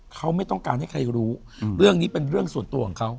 เขาไม่ต้องการให้ใครรู้เรื่องนี้เป็นเรื่องส่วนตัวของเขา